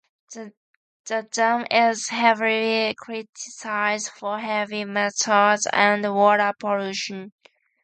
The dam is heavily criticised for heavy metals and water pollution.